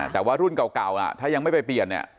แต่ว่ารุ่นเก่าถ้ายังไม่ไปเปลี่ยนเนี่ย